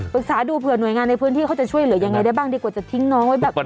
ดูเผื่อหน่วยงานในพื้นที่เขาจะช่วยเหลือยังไงได้บ้างดีกว่าจะทิ้งน้องไว้แบบนี้